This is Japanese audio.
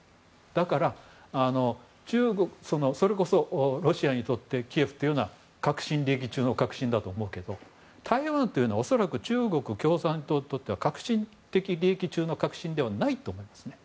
だから、それこそロシアにとってキーウというような核心的利益中の核心だと思うけど台湾というのは恐らく中国共産党にとっては核心的利益中の核心ではないと思うんです。